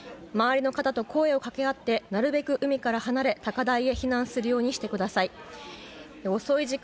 周りの方と声を掛け合ってなるべく海から離れ高台へ避難するようにしてください。